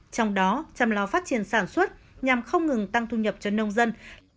trong đó chăm lo phát triển sản xuất nhằm không ngừng tăng thu nhập cho nông dân